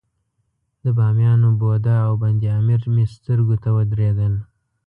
د بامیانو بودا او بند امیر مې سترګو ته ودرېدل.